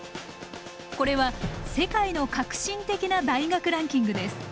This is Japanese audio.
これは世界の革新的な大学ランキングです。